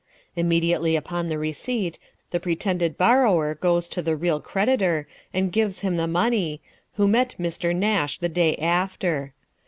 Immediately upon the receipt, the pretended borrower goes to the real creditor, and gives him the money, who met Mr. Nash the day after.